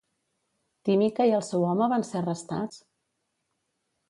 Timica i el seu home van ser arrestats?